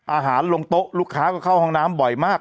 ลงโต๊ะลูกค้าก็เข้าห้องน้ำบ่อยมาก